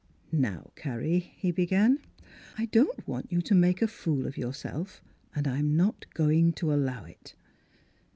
" Now, Carrie," he began, " I don't want you to make a fool of yourself, and I'm not going to allow it."